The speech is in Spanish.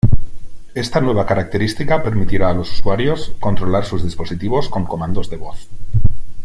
Esta nueva característica permitirá a los usuarios controlar sus dispositivos con comandos de voz.